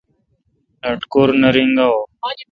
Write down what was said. لٹکور نہ رینگاوں۔